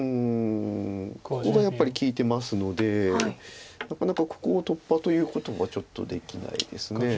ここがやっぱり利いてますのでなかなかここを突破ということはちょっとできないです。